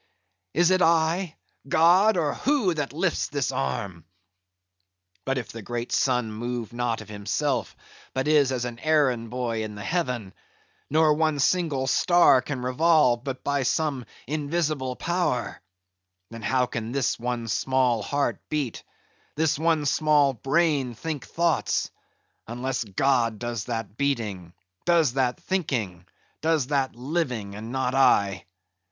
Is it I, God, or who, that lifts this arm? But if the great sun move not of himself; but is as an errand boy in heaven; nor one single star can revolve, but by some invisible power; how then can this one small heart beat; this one small brain think thoughts; unless God does that beating, does that thinking, does that living, and not I.